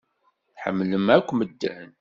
Tḥemmlem akk medden.